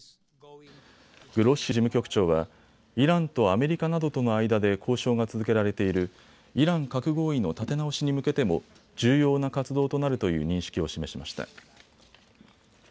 グロッシ事務局長はイランとアメリカなどとの間で交渉が続けられているイラン核合意の立て直しに向けても重要な活動となるという認識を示しました。